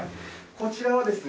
こちらはですね